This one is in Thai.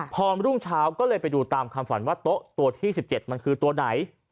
พอรุ่งเช้าก็เลยไปดูตามความฝันว่าโต๊ะตัวที่๑๗มันคือตัวไหน